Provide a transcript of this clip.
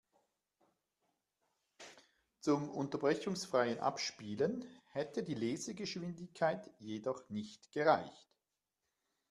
Zum unterbrechungsfreien Abspielen hätte die Lesegeschwindigkeit jedoch nicht gereicht.